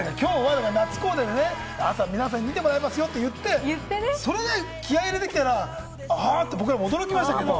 朝、皆さんに見てもらいますよって言って、それで気合入れてきたらで、僕らも驚きましたけれども。